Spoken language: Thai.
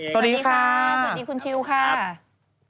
สวัสดีค่ะสวัสดีคุณชิวค่ะครับสวัสดีค่ะ